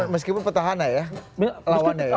meskipun petahana ya lawannya ya